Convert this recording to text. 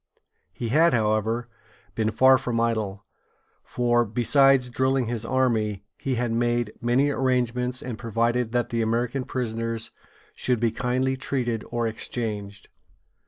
He had, however, been far from idle, for, besides drilling his army, he had made many arrangements, and provided that the American prisoners should be kindly treated or exchanged.